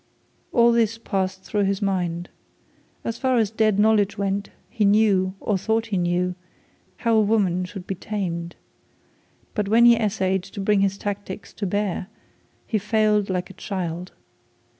All this passed through his mind. As far as dead knowledge went, he knew, or thought he knew, how a woman should be tamed. But when he essayed to bring his tactics to bear, he failed like a child.